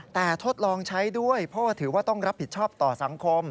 แต่ทดลองใช้ด้วยเพราะว่าถือว่าต้องรับผิดชอบต่อสังคม